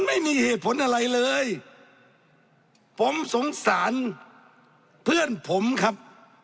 ไม่มีเหตุผลอะไรเลยผมสงสารเพื่อนผมครับ